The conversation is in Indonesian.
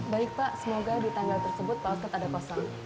baik pak semoga di tanggal tersebut paus ketada kosong